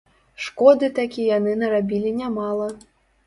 Шкоды такі яны нарабілі нямала.